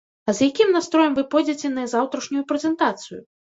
А з якім настроем вы пойдзеце на заўтрашнюю прэзентацыю?